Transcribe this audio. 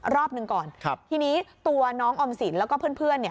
รอบหนึ่งก่อนทีนี้ตัวน้องออมสินแล้วก็เพื่อน